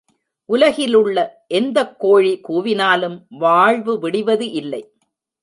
உலகிலுள்ள எந்தக் கோழி கூவினாலும் வாழ்வு விடிவது இல்லை.